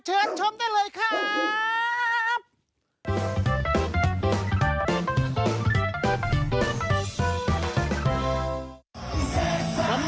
เชิญชมได้เลยครับ